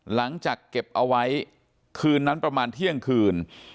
หลังจากเก็บเอาไว้คืนนั้นประมาณเที่ยงคืน